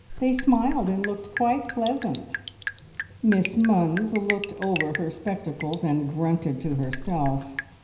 They smiled, and looked quite pleasant!" Miss Munns looked over her spectacles, and grunted to herself.